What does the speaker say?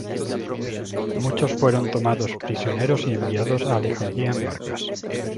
Muchos fueron tomados prisioneros y enviados a Alejandría en barcas.